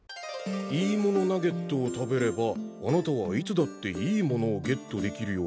「『いいものナゲット』を食べればあなたはいつだって『いいもの』をゲットできるようになるでしょう。